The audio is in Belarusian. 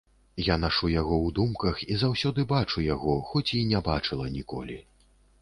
Я нашу яго ў думках, і заўсёды бачу яго, хоць і не бачыла ніколі.